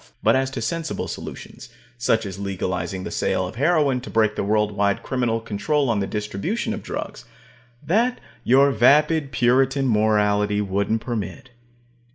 But as to sensible solutions, such as legalizing the sale of heroin to break the world wide criminal control on the distribution of drugs that your vapid Puritan morality wouldn't permit.